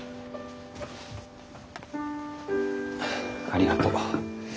ありがとう。